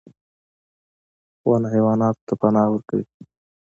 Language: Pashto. • ونه حیواناتو ته پناه ورکوي.